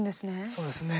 そうですね。